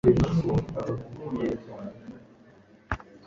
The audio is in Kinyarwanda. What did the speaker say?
mwiteguye kujya mubukwe bwa musaza we?